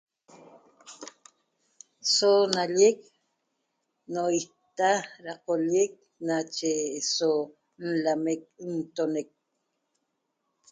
So nallec no'oita da qollec nache so l-lamec ntonec